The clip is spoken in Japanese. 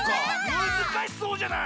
むずかしそうじゃない！